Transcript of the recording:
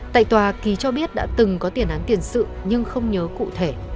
tại tòa ký cho biết đã từng có tiền án tiền sự nhưng không nhớ cụ thể